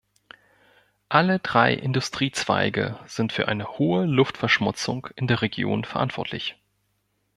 Alle drei Industriezweige sind für eine hohe Luftverschmutzung in der Region verantwortlich.